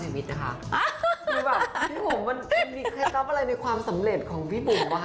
คือแบบพี่บุ๋มมันมีเคล็ดลับอะไรในความสำเร็จของพี่บุ๋มอะค่ะ